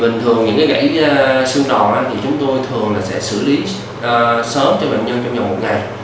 những gãy xương đòn chúng tôi thường sẽ xử lý sớm cho bệnh nhân trong một ngày